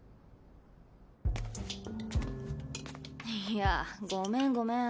いやごめんごめん。